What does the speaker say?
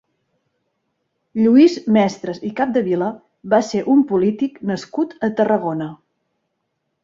Lluís Mestres i Capdevila va ser un polític nascut a Tarragona.